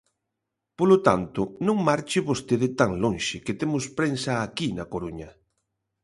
Polo tanto, non marche vostede tan lonxe, que temos prensa aquí na Coruña.